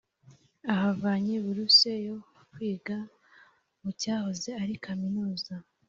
ahavanye buruse yo kwiga mu cyahoze ari kaminuza.